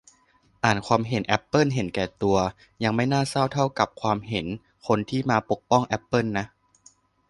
อ่านความเห็นแอปเปิลเห็นแก่ตัว ยังไม่น่าเศร้าเท่ากับความเห็นคนที่มาปกป้องแอปเปิลนะ